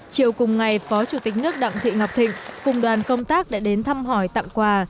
chiều cùng ngày phó chủ tịch nước đặng thị ngọc thịnh cùng đoàn công tác đã đến thăm hỏi tặng quà